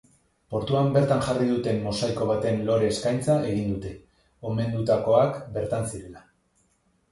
Portuan bertan jarri duten mosaiko batean lore-eskaintza egin dute, omendutakoak bertan zirela.